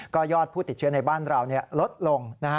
ก็ยอดผู้ติดเชื้อในบ้านเราลดลง